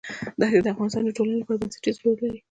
دښتې د افغانستان د ټولنې لپاره بنسټيز رول لري.